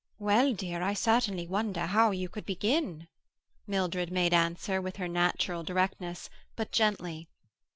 "Well, dear, I certainly wonder how you could begin," Mildred made answer, with her natural directness, but gently.